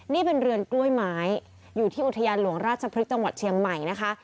นี่เป็นเรือนกล้วยไม้อยู่ที่อุทยานหลวงราชพฤกษ์จังหวัดเชียงใหม่นะคะ